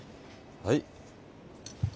はい？